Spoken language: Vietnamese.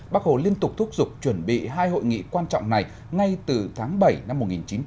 bác hồ liên tục thúc giục chuẩn bị hai hội nghị quan trọng này ngay từ tháng bảy năm một nghìn chín trăm bảy mươi